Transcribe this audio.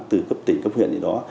từ cấp tỉnh cấp huyện gì đó